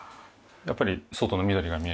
やっぱり外の緑が見える。